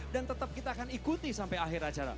dan tetap kita akan ikuti sampai akhir acara